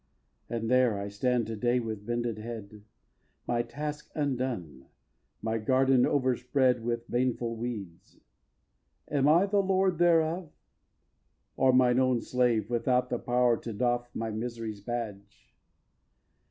xv. And here I stand to day with bended head, My task undone, my garden overspread With baneful weeds. Am I the lord thereof? Or mine own slave, without the power to doff My misery's badge?